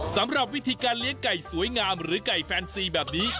สำหรับวิธีการเลี้ยงไก่สวยงามหรือไก่แฟนซีแบบนี้